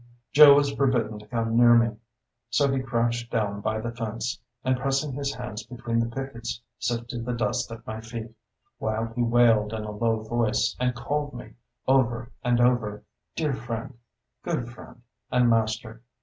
Joe was forbidden to come near me, so he crouched down by the fence, and pressing his hands between the pickets sifted the dust at my feet, while he wailed in a low voice, and called me, over and over, "dear friend," "good friend," and "master."